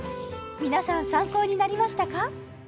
皆さん参考になりましたか？